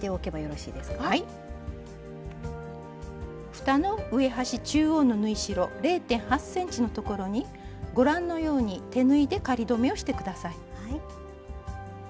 ふたの上端中央の縫い代０．８ｃｍのところにご覧のように手縫いで仮留めをして下さい。